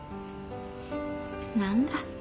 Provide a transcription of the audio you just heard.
何だ。